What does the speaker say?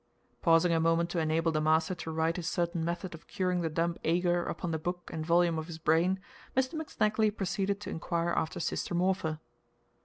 Pausing a moment to enable the master to write his certain method of curing the dumb "ager" upon the book and volume of his brain, Mr. McSnagley proceeded to inquire after Sister Morpher.